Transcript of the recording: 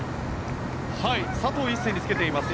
佐藤一世につけています。